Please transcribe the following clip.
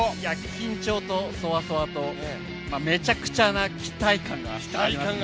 緊張とそわそわとめちゃくちゃな期待感があります。